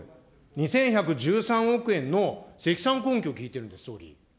２１１３億円の積算根拠を聞いてるんですよ、総理。